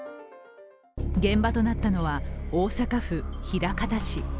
現場となったのは大阪府枚方市。